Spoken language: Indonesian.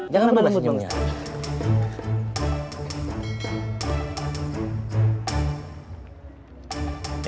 jangan lupa senyumnya